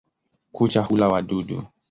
Kucha hula wadudu.